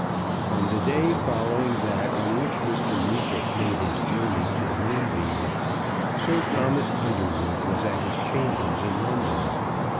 On the day following that on which Mr. Neefit made his journey to the Moonbeam, Sir Thomas Underwood was at his chambers in London.